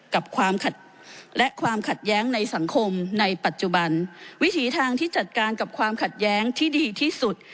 กับความขัดและความขัดแย้งในสังคมในปัจจุบันวิถีทางที่จัดการกับความขัดแย้งที่ดีที่สุด